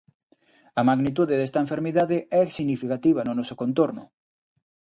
A magnitude desta enfermidade é significativa no noso contorno.